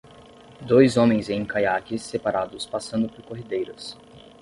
Dois homens em caiaques separados passando por corredeiras.